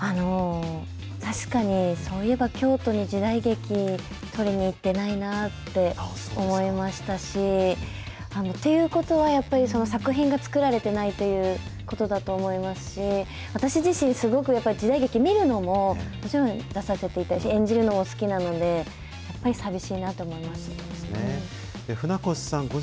確かに、そういえば京都に時代劇撮りに行ってないなって思いましたし、ということはやっぱり、作品が作られてないということだと思いますし、私自身、すごくやっぱり時代劇、見るのも、もちろん出させていただき、演じるのも好きなので、やっぱり寂し船越さん